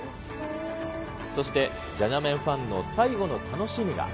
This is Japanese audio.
そして、じゃじゃ麺ファンの最後の楽しみが。